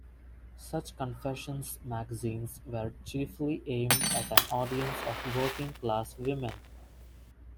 Such confessions magazines were chiefly aimed at an audience of working class women.